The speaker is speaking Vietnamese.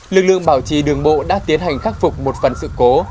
lực lượng bảo trì đường bộ đã tiến hành khắc phục một phần sự cố